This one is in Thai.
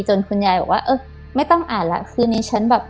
คุณยายบอกว่าเออไม่ต้องอ่านแล้วคือนี้ฉันแบบ